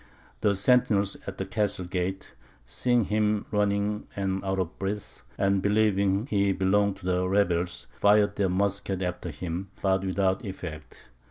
The sentinels at the castle gate, seeing him running and out of breath, and believing he belonged to the rebels, fired their muskets after him, but without effect.